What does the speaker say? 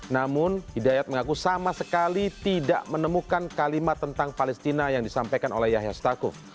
namun hidayat mengaku sama sekali tidak menemukan kalimat tentang palestina yang disampaikan oleh yahya stakuf